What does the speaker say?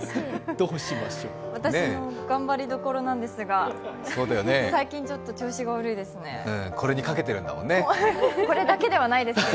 私の頑張りどころなんですが最近ちょっと、調子が悪いですね。